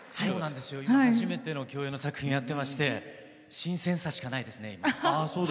今、初めて共演の作品をやっておりまして新鮮さしかないですね。